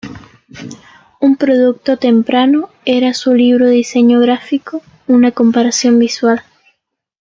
Un producto temprano era su libro diseño gráfico: Una comparación visual.